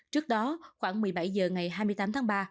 trước đó khoảng một mươi bảy h ngày hai mươi tám tháng ba